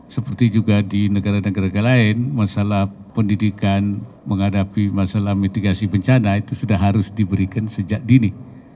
seperti juga di negara negara lain masalah pendidikan menghadapi masalah mitigasi bencana itu sudah harus diberikan sejak dini